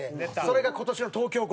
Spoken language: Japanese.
それが今年の東京五輪。